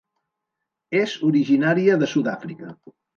És originària de Sud-àfrica.